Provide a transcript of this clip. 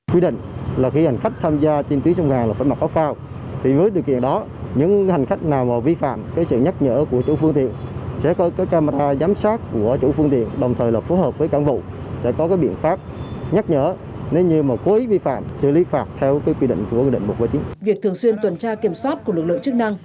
việc thường xuyên tuần tra kiểm soát của lực lượng chức năng